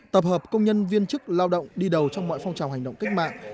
tập hợp công nhân viên chức lao động đi đầu trong mọi phong trào hành động cách mạng